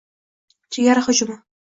Chegara hujumi: